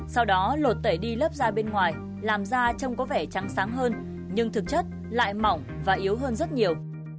sau đó lột tẩy đi lớp da bên ngoài làm ra trông có vẻ trắng sáng hơn nhưng thực chất lại mỏng và yếu hơn rất nhiều